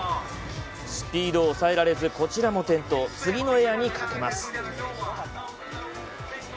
スピードを抑えられずこちらも転倒次のエアにかけます。